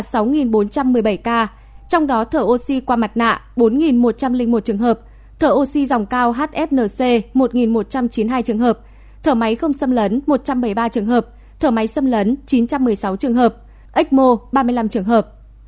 tổng số ca được công bố khỏi bệnh trong ngày là bốn bốn trăm một mươi bảy ca trong đó thở oxy qua mặt nạ bốn một trăm linh một trường hợp thở oxy dòng cao hfnc một một trăm chín mươi hai trường hợp thở máy không xâm lấn một trăm bảy mươi ba trường hợp thở máy xâm lấn chín trăm một mươi sáu trường hợp ếch mô ba mươi năm trường hợp